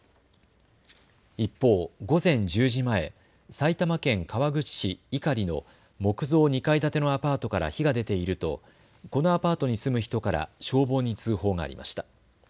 一方、午前１０時前、埼玉県川口市伊刈の木造２階建てのアパートから火が出ているとこのアパートに住む人から消防に通報がありました。